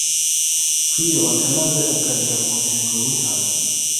kwiyubaka maze ukagera ku ntego wihaye.